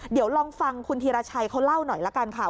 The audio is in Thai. เดี๋ยวลองฟังคุณธีรชัยเขาเล่าหน่อยละกันค่ะ